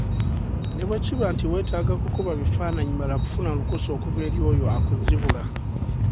Ne bwe kiba nti weetaaga kukuba bifaananyi mala kufuna lukusa okuva eri oyo akuzibula.